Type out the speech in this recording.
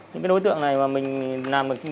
những cái đối tượng này mà mình làm được như này